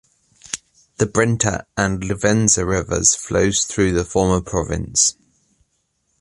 The Brenta and Livenza rivers flows through the former province.